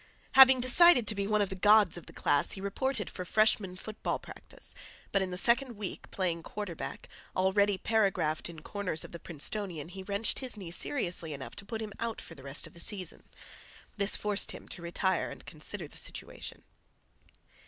Having decided to be one of the gods of the class, he reported for freshman football practice, but in the second week, playing quarter back, already paragraphed in corners of the Princetonian, he wrenched his knee seriously enough to put him out for the rest of the season. This forced him to retire and consider the situation.